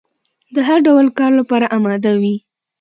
د هر ډول کار لپاره اماده وي.